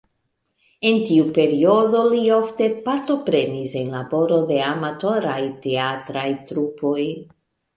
En tiu periodo li ofte partoprenis en laboro de amatoraj teatraj trupoj.